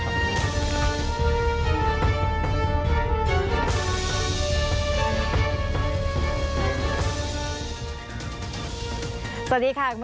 สวัสดีครับ